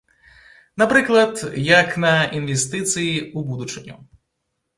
Напрыклад, як на інвестыцыі ў будучыню.